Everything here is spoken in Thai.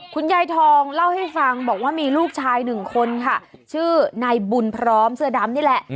คุณยายทองเล่าให้ฟังบอกว่ามีลูกชายหนึ่งคนค่ะชื่อนายบุญพร้อมเสื้อดำนี่แหละ